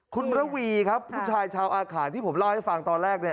คุณระวีครับผู้ชายชาวอาขารที่ผมเล่าให้ฟังตอนแรกเนี่ย